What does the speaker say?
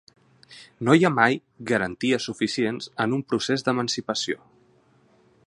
No hi ha mai “garanties suficients” en un procés d’emancipació.